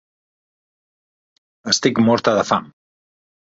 Estic morta de fam.